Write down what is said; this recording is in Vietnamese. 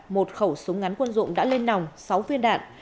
một khẩu súng ngắn quân dụng đã lên nòng sáu viên đạn